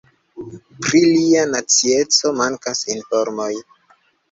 Pri lia nacieco mankas informoj.